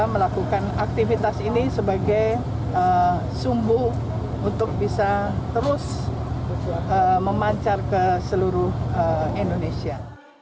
melakukan aktivitas ini sebagai sumbu untuk bisa terus memancar ke seluruh indonesia